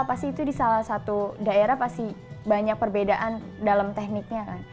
kisah kisah yang menjadikan anak bangsa tersebut terkenal